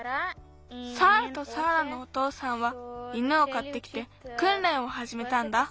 サーラとサーラのおとうさんは犬をかってきてくんれんをはじめたんだ。